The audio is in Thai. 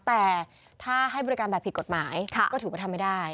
แต่ถ้าให้บริการแบบผิดกฎหมายก็ถือว่าทำไม่ได้